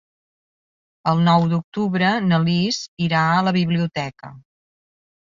El nou d'octubre na Lis irà a la biblioteca.